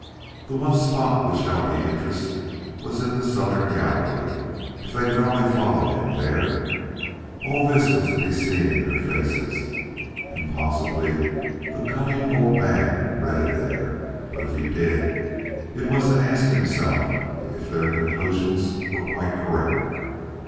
The one spot which held the interest was in the southern gallery. If they could only follow him there All this was to be seen in their faces, and possibly the cunning old man read it there; but if he did, it was to ask himself if their conclusions were quite correct.